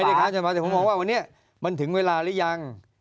ไม่ได้ค้านหัวชนฝาแต่ผมมองว่าวันนี้มันถึงเวลาหรือยัง